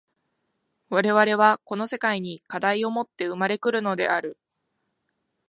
我々はこの世界に課題をもって生まれ来るのである。